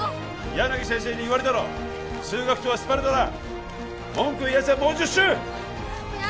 柳先生に言われたろ数学とはスパルタだ文句言うやつはもう１０周！